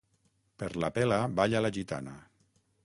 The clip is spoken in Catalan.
Per la pela balla la gitana.